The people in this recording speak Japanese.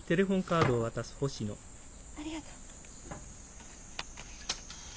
ありがとう。